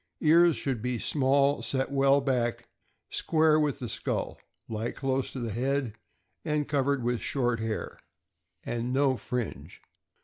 Ears. — Should be small, set well back, square with the skull, lie close to the head, and covered with short hair, and no' fringe.